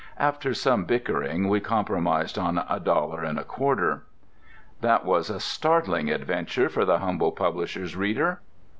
After some bickering we compromised on a dollar and a quarter. That was a startling adventure for the humble publisher's reader!